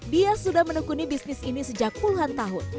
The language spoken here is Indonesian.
dia sudah menekuni bisnis ini sejak puluhan tahun